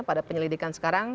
pada penyelidikan sekarang